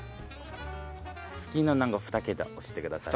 好きなふた桁押してください。